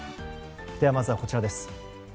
では、まずはこちらです。